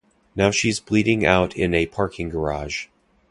Now she's bleeding out in a parking garage.